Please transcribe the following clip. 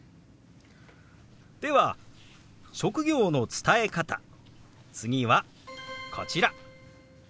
では職業の伝え方次はこちら。